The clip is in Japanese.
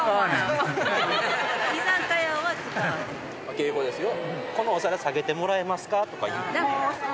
敬語ですよ？